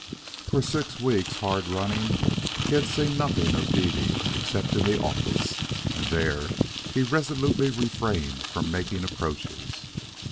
For six weeks hard running he had seen nothing of Dede except in the office, and there he resolutely refrained from making approaches.